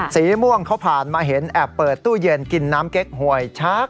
สีม่วงเขาผ่านมาเห็นแอบเปิดตู้เย็นกินน้ำเก๊กหวยชัก